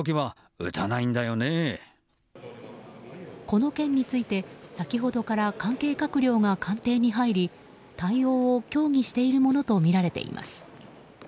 この件について先ほどから関係閣僚が官邸に入り対応を協議しているものとみられています。